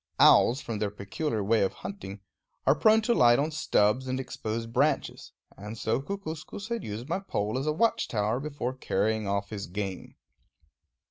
Owls, from their peculiar ways of hunting, are prone to light on stubs and exposed branches; and so Kookooskoos had used my pole as a watch tower before carrying off his game.